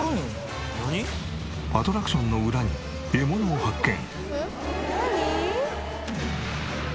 アトラクションの裏に獲物を発見。